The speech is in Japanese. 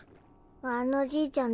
あのじいちゃん